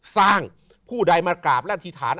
ผู้ใดมากราบและอธิษฐาน